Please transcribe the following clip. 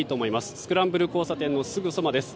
スクランブル交差点のすぐそばです。